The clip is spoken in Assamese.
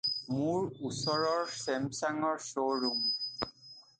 মোৰ ওচৰৰ ছেমছাঙৰ শ্ব’ৰুম